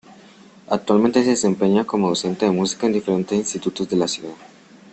Actualmente se desempeña como docente de música en diferentes institutos de la ciudad.